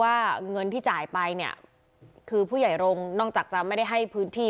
ว่าเงินที่จ่ายไปเนี่ยคือผู้ใหญ่รงค์นอกจากจะไม่ได้ให้พื้นที่